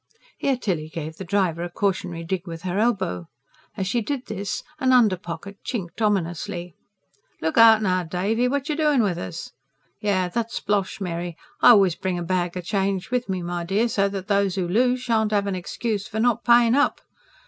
Here Tilly gave the driver a cautionary dig with her elbow; as she did this, an under pocket chinked ominously. "Look out now, Davy, what you're doing with us! Yes, that's splosh, Mary. I always bring a bag of change with me, my dear, so that those who lose shan't have an excuse for not paying up."